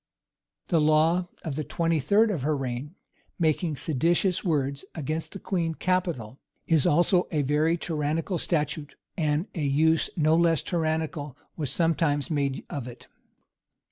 The law of the twenty third of her reign, making seditious words against the queen capital, is also a very tyrannical statute; and a use no less tyrannical was sometimes made of it.